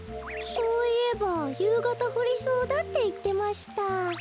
そういえばゆうがたふりそうだっていってました。